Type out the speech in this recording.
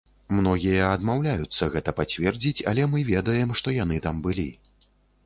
Многія адмаўляюцца гэта пацвердзіць, але мы ведаем, што яны там былі.